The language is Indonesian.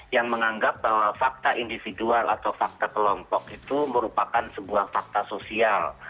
yang menganggap bahwa fakta individual atau fakta kelompok itu merupakan sebuah fakta sosial